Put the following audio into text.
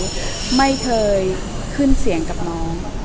ไม่เคยขึ้นเสียงกับน้อง